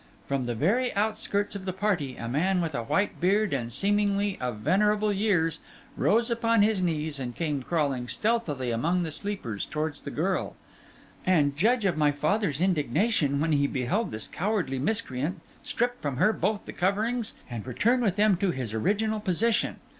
From the very outskirts of the party, a man with a white beard and seemingly of venerable years, rose upon his knees, and came crawling stealthily among the sleepers towards the girl; and judge of my father's indignation, when he beheld this cowardly miscreant strip from her both the coverings and return with them to his original position.